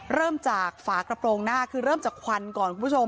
เริ่มจากฝากระโปรงหน้าคือเริ่มจากควันก่อนคุณผู้ชม